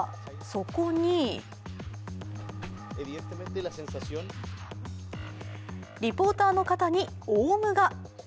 そこにリポーターの肩にオウムが。